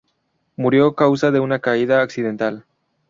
Murió a causa de una caída accidental.